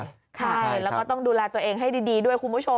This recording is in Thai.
ใช่แล้วก็ต้องดูแลตัวเองให้ดีด้วยคุณผู้ชม